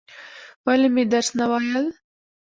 ولې مې درس نه وایل؟